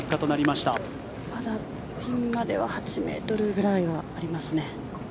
まだピンまでは８ｍぐらいはありますね。